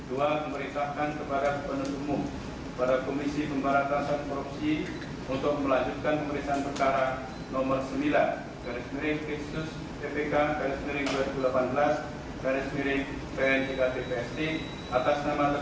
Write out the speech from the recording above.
untuk melanjutkan pemeriksaan perkara nomor sembilan garis miring kristus tpk garis miring dua ribu delapan belas garis miring pnjk tpst